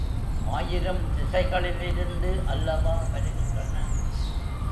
ஆயிரம் திசைகளிலிருந்து அல்லவா வருகின்றன.